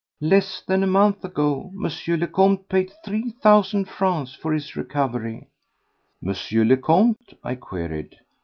Less than a month ago M. le Comte paid three thousand francs for his recovery." "Monsieur le Comte?" I queried.